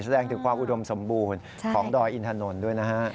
แสดงถึงความอุดมสมบูรณ์ของดอยอินถนนด้วยนะฮะ